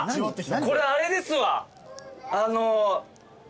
これあれですわ。